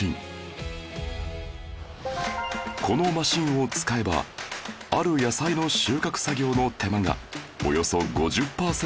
このマシンを使えばある野菜の収穫作業の手間がおよそ５０パーセント削減